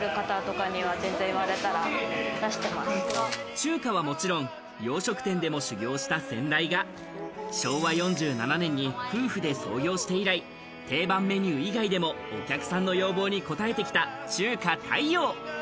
中華はもちろん、洋食店でも修業した先代が昭和４７年に夫婦で創業して以来、定番メニュー以外でもお客さんの要望に応えてきた中華太陽。